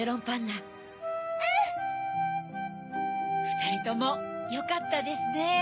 ふたりともよかったですね。